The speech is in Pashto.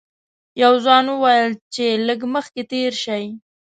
یوه ځوان وویل چې لږ مخکې تېر شئ.